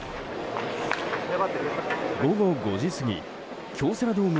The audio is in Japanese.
午後５時過ぎ京セラドーム